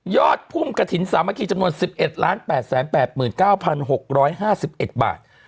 พุ่มกระถิ่นสามัคคีจำนวน๑๑๘๘๙๖๕๑บาท